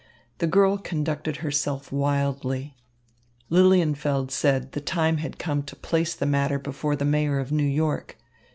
The girl conducted herself wildly. Lilienfeld said the time had come to place the matter before the Mayor of New York.